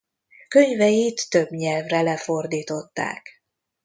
Könyveit több nyelvre lefordították.